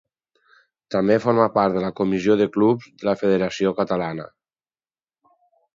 També forma part de la Comissió de Clubs de la Federació Catalana.